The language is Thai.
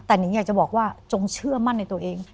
แต่นิงอยากจะบอกว่าจงเชื่อมั่นในตัวเอง